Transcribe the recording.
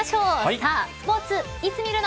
さあ、スポーツいつ見るの。